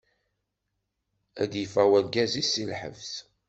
Ad d-yeffeɣ urgaz-is si lḥebs.